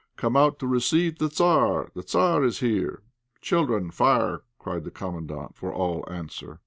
Come out to receive the Tzar; the Tzar is here." "Children, fire!" cried the Commandant for all answer.